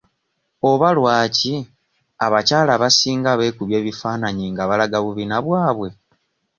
Oba lwaki abakyala abasinga beekubya ebifaananyi nga balaga bubina bwabwe?